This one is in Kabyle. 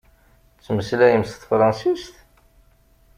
Tettmeslayem s tefransist?